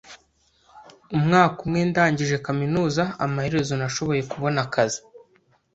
Umwaka umwe ndangije kaminuza, amaherezo nashoboye kubona akazi.